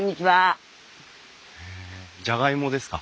へえじゃがいもですか？